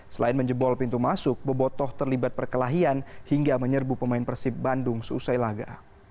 selain menjebol pintu masuk bobotoh terlibat perkelahian hingga menyerbu pemain persib bandung seusai laga